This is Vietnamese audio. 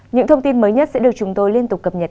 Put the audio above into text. những thông tin mới nhất sẽ được chúng tôi liên tục cập nhật